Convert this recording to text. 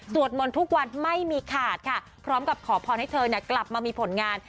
มนต์ทุกวันไม่มีขาดค่ะพร้อมกับขอพรให้เธอกลับมามีผลงาน